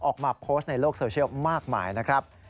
ออกมาโพสต์ในโลกโซเชียลมากมายนะครับ